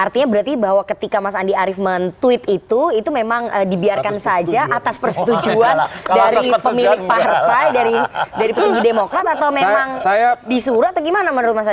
artinya berarti bahwa ketika mas andi arief men tweet itu itu memang dibiarkan saja atas persetujuan dari pemilik partai dari petinggi demokrat atau memang disuruh atau gimana menurut mas arief